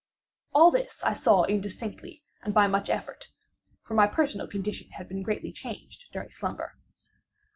All this I saw indistinctly and by much effort—for my personal condition had been greatly changed during slumber.